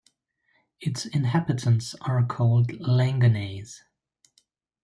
Its inhabitants are called "Langonnais".